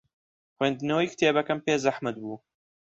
خوێندنەوەی کتێبەکەم پێ زەحمەت بوو.